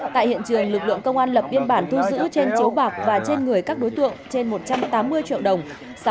tại hiện trường lực lượng công an lập biên bản thu giữ trên chiếu bạc và trên người các đối tượng trên một trăm tám mươi triệu đồng